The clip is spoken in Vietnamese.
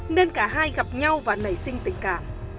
nên cả hai gặp nhau và nảy sinh tình cảm